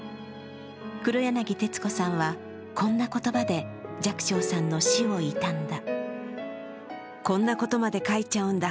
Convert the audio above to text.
黒柳徹子さんはこんな言葉で寂聴さんの死を悼んだ。